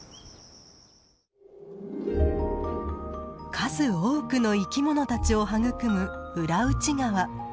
数多くの生き物たちを育む浦内川。